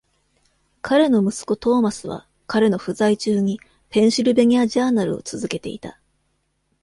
彼の息子トーマスは、彼の不在中に"ペンシルベニアジャーナル"を続けていた。